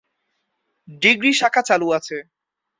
Degree শাখা চালু আছে।